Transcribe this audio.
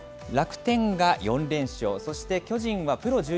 楽天が４連勝、そして、巨人はプロ